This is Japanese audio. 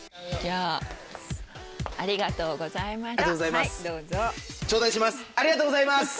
ありがとうございます！